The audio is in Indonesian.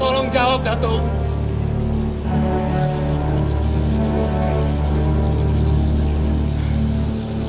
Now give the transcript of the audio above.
tolong jawab datuk